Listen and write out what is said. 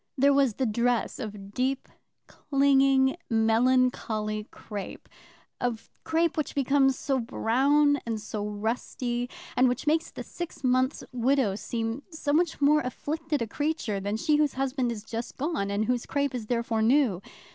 There was the dress of deep, clinging, melancholy crape, of crape which becomes so brown and so rusty, and which makes the six months' widow seem so much more afflicted a creature than she whose husband is just gone, and whose crape is therefore new.